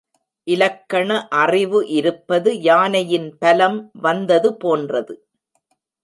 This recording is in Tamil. இலக்கண அறிவு இருப்பது யானையின் பலம் வந்தது போன்றது.